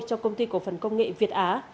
cho công ty cổ phần công nghệ việt á